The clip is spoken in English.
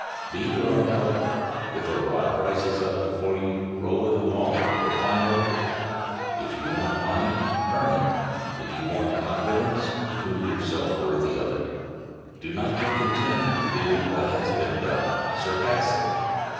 Be your own helper. If a rock rises up before you, roll it along or climb over it. If you want money, earn it. If you want confidence, prove yourself worthy of it. Do not be content with doing what has been done; surpass it.